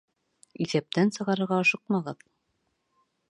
Иҫәптән сығарырға ашыҡмағыҙ!